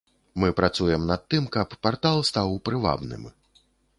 Мы працуем над тым, каб партал стаў прывабным.